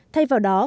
thay vào đó